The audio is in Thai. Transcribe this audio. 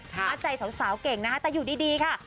มัดใจสาวเก่งนะคะแต่อยู่ดีค่ะ